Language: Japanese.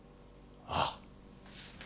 ああ。